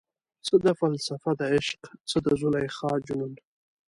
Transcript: څه ده فلسفه دعشق، څه د زلیخا جنون؟